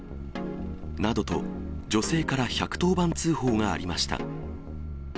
などと、女性から１１０番通報がありました。